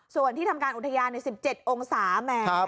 ส่วนที่ทำการอุทยาน๑๗องศาแหม